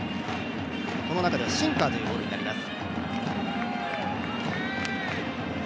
この中ではシンカーというボールになります。